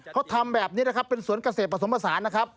เขาทำแบบนี้นะครับเป็นสวนเกษตรผสมผสานนะครับ